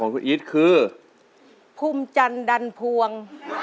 ภูมิจันทร์ดันพวง